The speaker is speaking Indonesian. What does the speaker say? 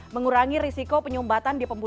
mengurangi risiko penyumbatan di pemutus